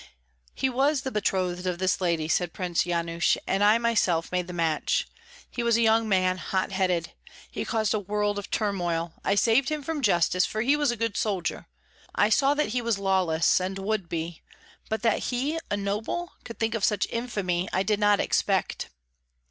"He was the betrothed of this lady," said Prince Yanush, "and I myself made the match. He was a young man, hot headed; he caused a world of turmoil. I saved him from justice, for he was a good soldier. I saw that he was lawless, and would be; but that he, a noble, could think of such infamy, I did not expect."